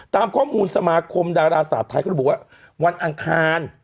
ตามข้อมูลสมาคมดาราศาสตร์ไทยเขาระบุว่าวันอังคาร